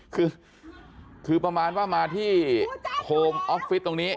คือคือประมาณว่ามาที่โคมออฟฟิศตรงนี้